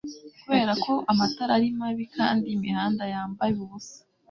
Kuberako amatara ari mabi kandi imihanda yambaye ubusa